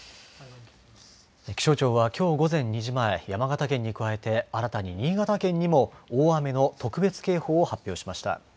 気象庁は、きょう午前２時前山形県に加えて新たに新潟県にも大雨の特別警報を発表しました。